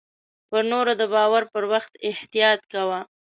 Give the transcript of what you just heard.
پر نور د باور پر وخت احتياط کوه .